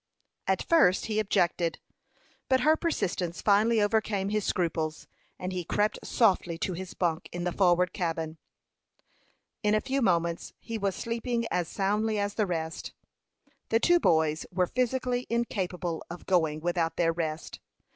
At first he objected; but her persistence finally overcame his scruples, and he crept softly to his bunk in the forward cabin. In a few moments he was sleeping as soundly as the rest. The two boys were physically incapable of going without their rest.